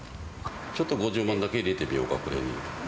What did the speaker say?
ちょっと５０万円だけ入れてみようか、これに。